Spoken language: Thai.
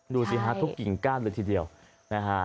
ดูสิฮะทุกกิ่งก้านเลยทีเดียวนะฮะ